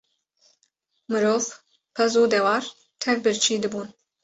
Mirov, pez û dewar tev birçî dibûn.